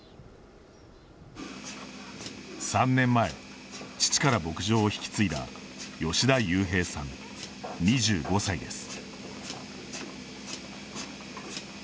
３年前、父から牧場を引き継いだ吉田雄平さん、２５歳です。